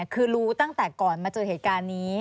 คือรู้ตั้งแต่ก่อนมาเจอเหตุการณ์นี้